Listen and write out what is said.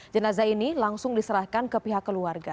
jenazah ini langsung diserahkan ke pihak keluarga